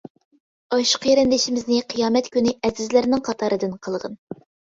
ئاشۇ قېرىندىشىمىزنى قىيامەت كۈنى ئەزىزلەرنىڭ قاتارىدىن قىلغىن.